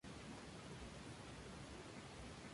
Son lianas o arbustos escandentes.